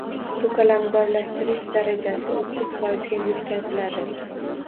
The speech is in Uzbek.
Ko‘kalamzorlashtirish darajasi o'ttiz foizga yetkaziladi